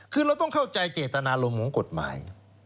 คือเราต้องเข้าใจเจตนารมณ์ของกฎหมาย